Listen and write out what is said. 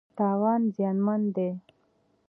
تاوان زیانمن دی.